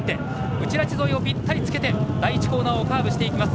内ラチ沿いをぴったりつけてカーブしていきます。